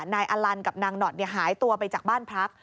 อลันกับนางหนอดหายตัวไปจากบ้านพัก